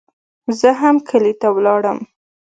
زه هم کلي ته ولاړم.